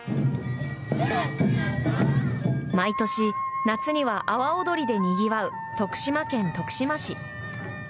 毎年、夏には阿波踊りでにぎわう徳島県徳島市。